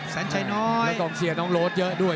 แวะต้องเซียน้องโรสเยอะด้วย